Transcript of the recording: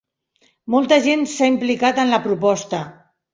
Molta gent s'ha implicat en la proposta.